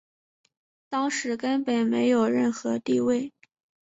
当时根本没有任何地位。